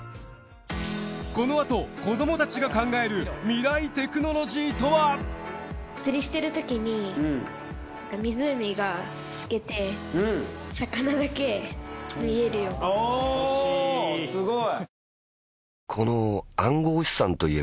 このあと子どもたちが考える未来テクノロジーとは？おお！すごい。